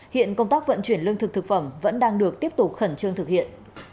hiện công tác vận chuyển lương thực thực phẩm vẫn đang được tiếp tục khẩn trương thực hiện